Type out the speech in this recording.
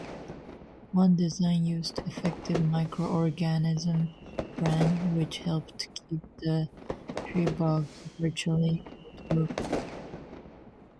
One design used Effective Micro-organism bran, which helped keep the Treebog virtually odour free.